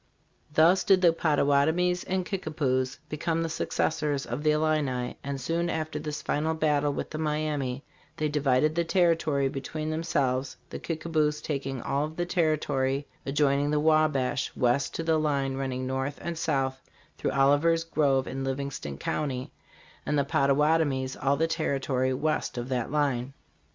" Thus did the Pottawattomies and Kickapoos become the successors of the Illini, and soon after this final battle with the Miamis they divided the territory between themselves, the Kickapoos taking all the territory adjoining the Wabash west to a line running north and south through Oliver's Grove in Livingston county, 'and the Pottawatomies all the territory west of that line."